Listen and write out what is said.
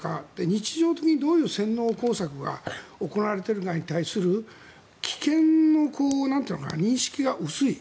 日常的にどういう洗脳工作が行われているのかに対する危険の認識が薄い。